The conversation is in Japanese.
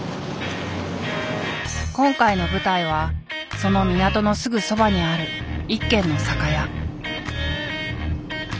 今回の舞台はその港のすぐそばにある一軒の酒屋。